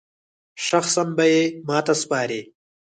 شخصاً به یې ماته سپاري.